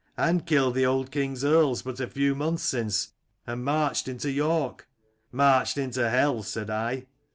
" 'And killed the old king's earls but a few months since, and marched into York.' '"Marched into hell! ' said I.